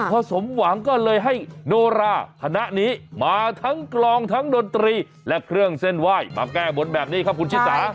พอสมหวังก็เลยให้โนราคณะนี้มาทั้งกลองทั้งดนตรีและเครื่องเส้นไหว้มาแก้บนแบบนี้ครับคุณชิสา